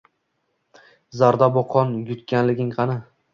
Zardobu qon yutganiig qani?